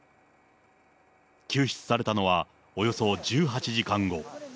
救出されたのは、およそ１８時間後。